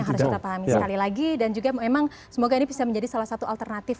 yang harus kita pahami sekali lagi dan juga memang semoga ini bisa menjadi salah satu alternatif